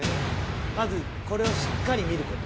まずこれをしっかり見る事。